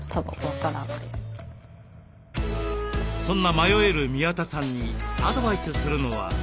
そんな迷える宮田さんにアドバイスするのは。